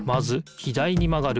左にまがる。